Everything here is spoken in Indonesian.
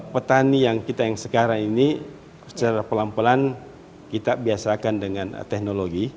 petani yang kita yang sekarang ini secara pelan pelan kita biasakan dengan teknologi